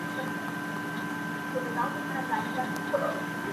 • قلم د زلفو يې د هر چا زنده گي ورانوي ـ